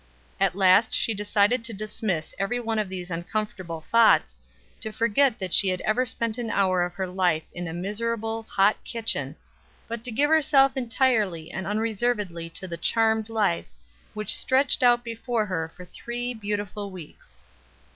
At last she decided to dismiss every one of these uncomfortable thoughts, to forget that she had ever spent an hour of her life in a miserable, hot kitchen, but to give herself entirely and unreservedly to the charmed life, which stretched out before her for three beautiful weeks.